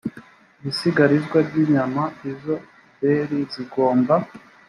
ibisigarizwa by inyama izo pubeli zigomba